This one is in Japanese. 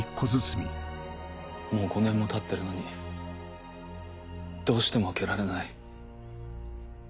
もう５年もたってるのにどうしても開けられない。